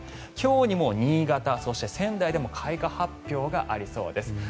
今日にも新潟、そして仙台でも開花発表がありそうです。